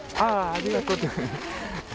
ありがとう。